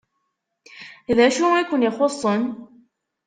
D acu i ken-ixuṣṣen?